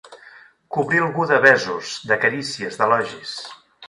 Cobrir algú de besos, de carícies, d'elogis.